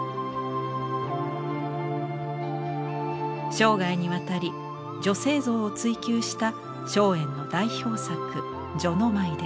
生涯にわたり女性像を追求した松園の代表作「序の舞」です。